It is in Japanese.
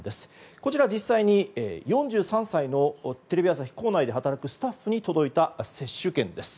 こちら、実際に４３歳のテレビ朝日で働くスタッフに届いた接種券です。